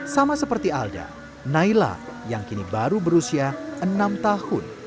sama seperti alda naila yang kini baru berusia enam tahun